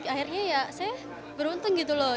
akhirnya ya saya beruntung gitu loh